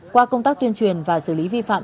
qua công tác tuyên truyền và xử lý vi phạm